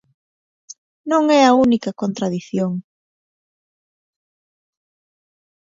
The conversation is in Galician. Non é a única contradición.